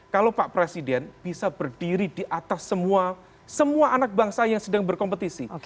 kalau pak presiden bisa berdiri di atas semua anak bangsa yang sedang berkompetisi